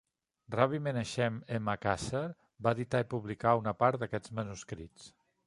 Rabbi Menachem M. Kasher va editar i publicar una part d'aquests manuscrits.